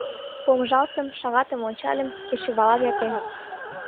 Помыжалтым, шагатым ончальым — кечывалат эртен.